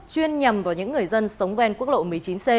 chuyên nhằm vào những người dân sống ven quốc lộ một mươi chín c